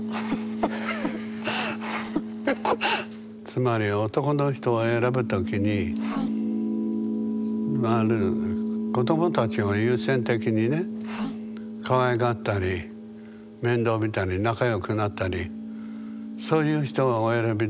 つまり男の人を選ぶ時に今ある子どもたちを優先的にねかわいがったり面倒見たり仲良くなったりそういう人をお選びになったらいかがですか？